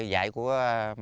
cách dạy của